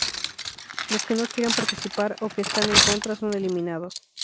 Los que no quieren participar o que están en contra, son eliminados.